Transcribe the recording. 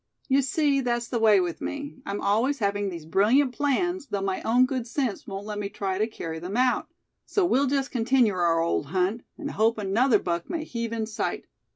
You see, that's the way with me; I'm always having these brilliant plans, though my own good sense won't let me try to carry them out. So we'll just continue our old hunt; and hope another buck may heave in sight.